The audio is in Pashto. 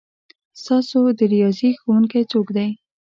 ستاسو د ریاضي ښؤونکی څوک دی؟